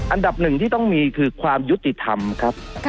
อันดับหนึ่งที่ต้องมีคือความยุติธรรมครับ